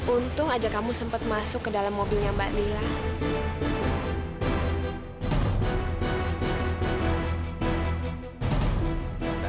untung aja kamu sempat masuk ke dalam mobilnya mbak nila